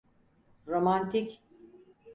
Romantik.